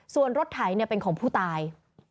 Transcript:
ส่วนรถไถเป็นของผู้ตาย